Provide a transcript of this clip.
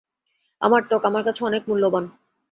আমার ত্বক আমার কাছে অনেক মূল্যবান।